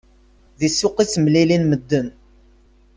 Deg ssuq i ttemlilin medden.